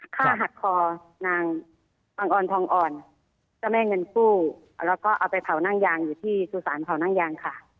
ข้าหักคอนางของทองอ่อนจม่ายเงินผู้แล้วก็เอาเข้าไปหาอยู่ที่สู่สารเผาหน้างยางค่ะ